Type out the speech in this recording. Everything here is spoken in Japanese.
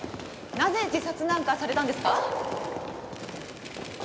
なぜ自殺なんかされたんですか？